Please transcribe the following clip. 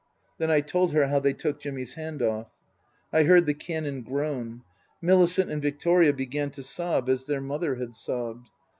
Then I told her how they took Jimmy's hand off. I heard the Canon groan. Millicent and Victoria began to sob as their mother had sobbed.